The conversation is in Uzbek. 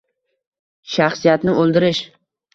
Shaxsiyatni o‘ldirish